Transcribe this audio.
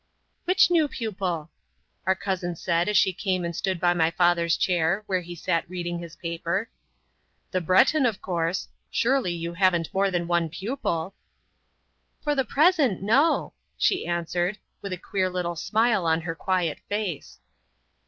"Which new pupil?" our cousin said as she came and stood by my father's chair, where he sat reading his paper. "The Breton, of course. Surely you haven't more than one pupil?" "For the present, no!" she answered, with a queer little smile on her quiet face.